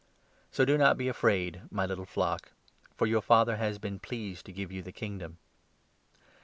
So do not be afraid, 32 my little flock, for your Father has been pleased to give you the Kingdom.